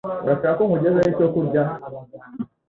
Urashaka ko nkugezaho icyo kurya?